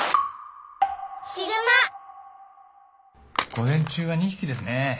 午前中は２匹ですね。